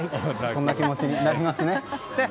そんな気持ちになりますね。